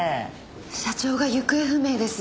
社長が行方不明です。